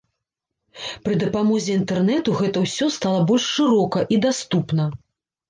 Пры дапамозе інтэрнэту гэта ўсё стала больш шырока і даступна.